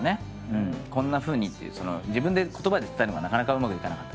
「こんなふうに」って自分で言葉で伝えるのがなかなかうまくいかなかった。